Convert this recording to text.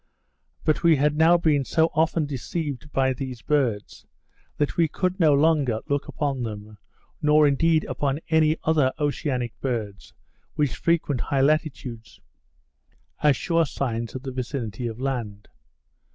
But we had now been so often deceived by these birds, that we could no longer look upon them, nor indeed upon any other oceanic birds, which frequent high latitudes, as sure signs of the vicinity of land.